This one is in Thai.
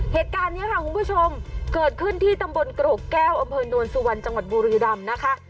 เหตุการณ์นี้ค่ะคุณผู้ชมเกิดขึ้นที่ตำบลกรกแก้วอำเภอนวลสุวรรณจังหวัดบุรีรำนะคะ